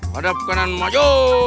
pada kanan maju